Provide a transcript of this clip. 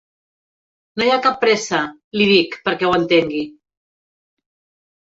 No hi ha cap pressa —li dic, perquè ho entengui.